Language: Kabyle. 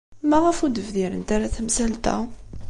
Maɣef ur d-bdirent ara tamsalt-a?